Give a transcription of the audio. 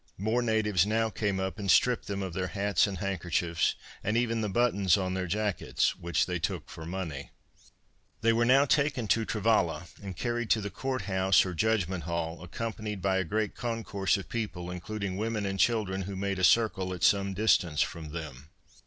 More natives now came up and stripped them of their hats and handkerchiefs and even the buttons on their jackets, which they took for money. They were now taken to Travalla and carried to the court house or judgment hall, accompanied by a great concourse of people, including women and children who made a circle at some distance from them.